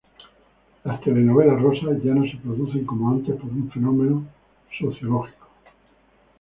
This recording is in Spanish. Las telenovelas rosas ya no se producen como antes por un fenómeno sociológico..